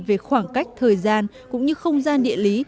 về khoảng cách thời gian cũng như không gian địa lý